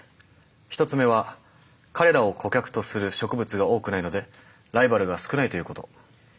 １つ目は彼らを顧客とする植物が多くないのでライバルが少ないということ。